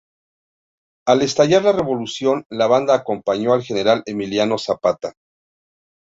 Al estallar la Revolución la Banda acompañó al General Emiliano Zapata.